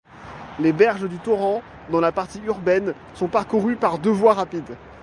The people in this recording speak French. Les berges du torrent, dans la partie urbaine, sont parcourues par deux voies rapides.